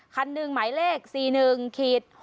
คันหนึ่งหมายเลข๔๑๖